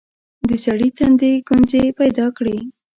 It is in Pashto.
د سړي تندي ګونځې پيداکړې.